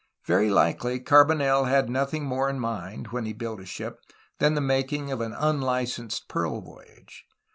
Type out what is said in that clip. Very likely Car bonel had nothing more in mind, when he built his ship, than the making of an unlicensed pearl voyage.